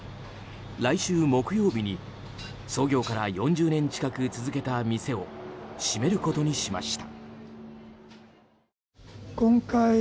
来週木曜日に創業から４０年近く続けた店を閉めることにしました。